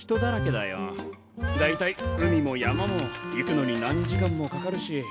大体海も山も行くのに何時間もかかるし。